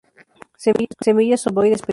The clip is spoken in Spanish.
Semillas ovoides, pequeñas.